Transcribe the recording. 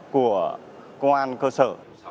của công an cơ sở